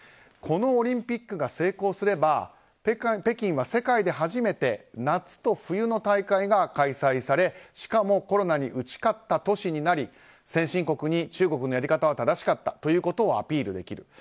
このオリンピックが成功すれば北京は世界で初めて夏と冬の大会が開催され、しかもコロナに打ち勝った都市になり先進国に中国のやり方は正しかったということをアピールできる。